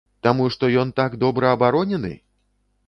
Таму што ён так добра абаронены?